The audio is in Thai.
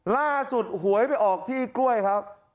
ถ้าสุดหวยไปออกที่กล้วยครับ